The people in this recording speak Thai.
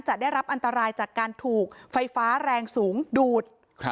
จะได้รับอันตรายจากการถูกไฟฟ้าแรงสูงดูด